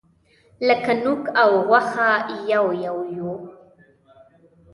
لکه نوک او غوښه یو یو یوو.